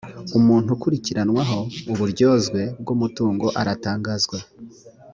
umuntu ukurikiranwaho uburyozwe bw’ umutungo aratangazwa.